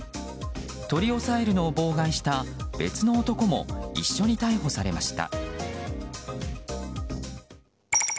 取り押さえるのを妨害した別の男も一緒に逮捕されました。